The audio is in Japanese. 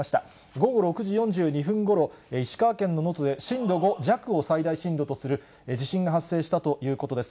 午後６時４２分ごろ、石川県の能登で震度５弱を最大震度とする地震が発生したということです。